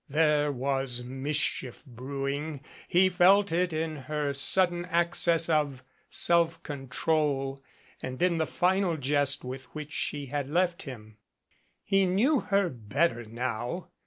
There was mischief brewing he felt it in her sudden access of self control, and in the final jest with which she had left him. He knew her better now.